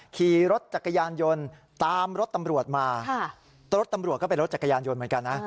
ขี่รถจักรยานยนต์ตามรถตำรวจมารถตำรวจก็เป็นรถจักรยานยนต์เหมือนกันนะ